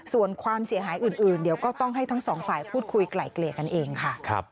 ส่วนความเสียหายอื่นเดี๋ยวก็ต้องให้ทั้งสองฝ่ายพูดคุยไกล่เกลี่ยกันเองค่ะ